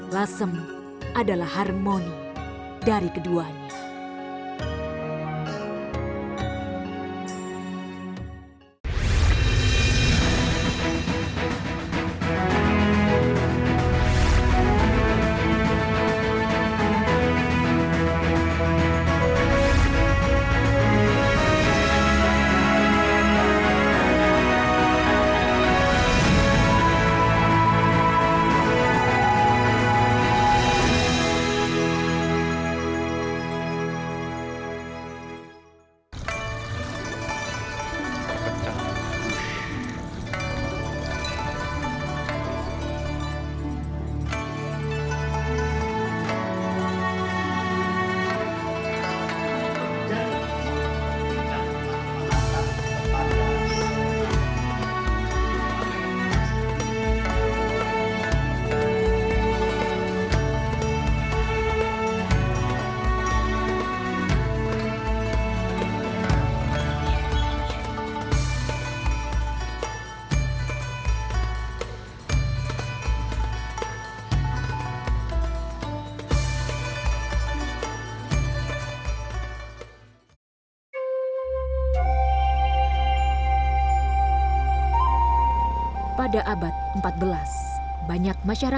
lasem adalah harmoni dari keduanya